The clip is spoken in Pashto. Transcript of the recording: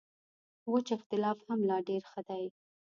وچ اختلاف هم لا ډېر ښه دی.